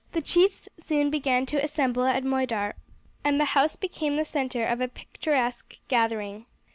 The chiefs soon began to assemble at Moidart, and the house became the centre of a picturesque gathering.